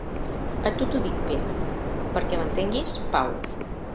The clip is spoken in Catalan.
A tu t'ho dic, Pere, perquè m'entenguis, Pau.